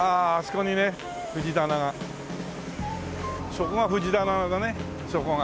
そこが藤棚だねそこが。